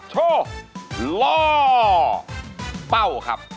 โชว์ล่อเป้าครับ